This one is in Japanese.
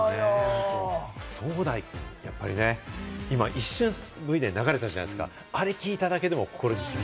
ソウダイくん、一瞬、ＶＴＲで流れたじゃないですか、あれ聴いただけでも。